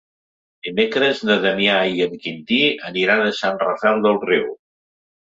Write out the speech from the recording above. Dimecres na Damià i en Quintí aniran a Sant Rafel del Riu.